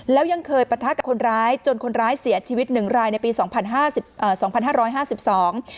แล้วยังเคยประทะกับคนร้ายจนคนร้ายเสียชีวิตหนึ่งรายในปีสองพันห้าร้อยห้าสิบสอง